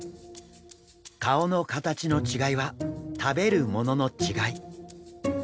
顔の形の違いは食べるものの違い。